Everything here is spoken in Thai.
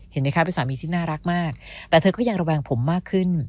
เห็นไหมคะเป็นสามีที่น่ารักมากแต่เธอก็ยังระแวงผมมากขึ้น